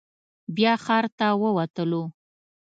بیا ښار ته ووتلو.